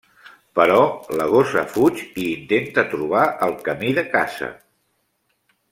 Però la gossa fuig i intenta trobar el camí de casa.